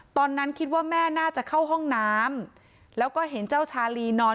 ตอนนั้นคิดว่าแม่น่าจะเข้าห้องน้ำแล้วก็เห็นเจ้าชาลีนอน